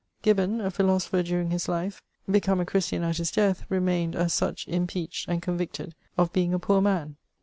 Gibbon, a philosopher during his life, become a Christian at his death, remained, as such, impeached and convicted of being a poor man.